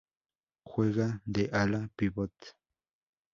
Juega de ala pívot.